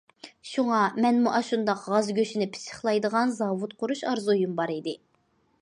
شۇڭا مەنمۇ ئاشۇنداق غاز گۆشىنى پىششىقلايدىغان زاۋۇت قۇرۇش ئارزۇيۇم بار ئىدى.